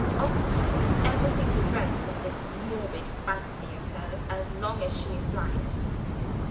Oscar has everything to dread from this morbid fancy of hers as long as she is blind.